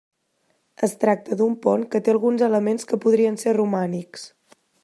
Es tracta d'un pont que té alguns elements que podrien ser romànics.